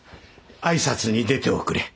挨拶に出ておくれ。